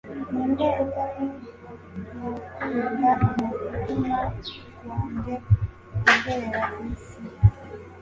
ninde utari gukubita umutima wanjye uzerera kwisi